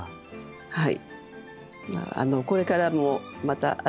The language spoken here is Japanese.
はい。